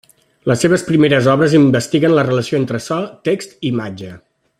Les seves primeres obres investiguen la relació entre so, text i imatge.